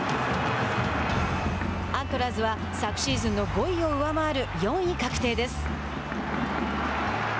アントラーズは昨シーズン５位を上回る４位確定です。